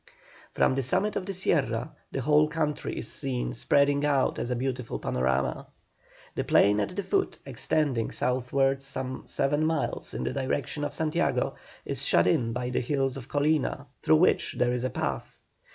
From the summit of the Sierra the whole country is seen spreading out as a beautiful panorama. The plain at the foot, extending southwards some seven miles in the direction of Santiago, is shut in by the hills of Colina, through which there is a path.